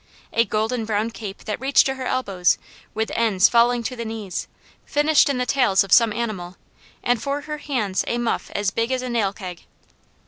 A golden brown cape that reached to her elbows, with ends falling to the knees, finished in the tails of some animal, and for her hands a muff as big as a nail keg.